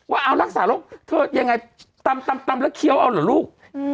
ว่าเอารักษาโรคเธอยังไงตำแล้วเคี้ยวเอาเหรอลูก